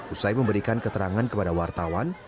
usai memberikan keterangan kepada wartawan